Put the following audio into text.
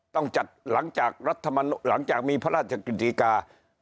ต้องจัดหลังจากรัฐหลังจากมีพระราชกฤติกา